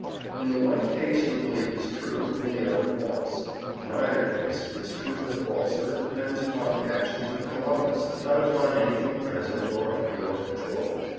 In the one case your belief is true, in the other false; in either case its truth or falsehood depends upon the actions of Columbus, not upon anything present or under your control.